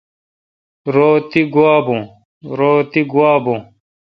رو تی گوا بون۔